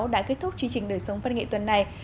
đã kết thúc chương trình đời sống văn nghệ tuần này